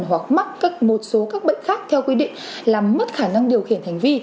hoặc mắc một số các bệnh khác theo quy định làm mất khả năng điều khiển hành vi